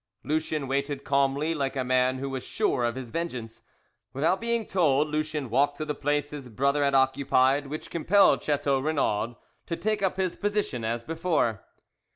Lucien waited calmly, like a man who was sure of his vengeance. Without being told, Lucien walked to the place his brother had occupied, which compelled Chateau Renaud to take up his position as before.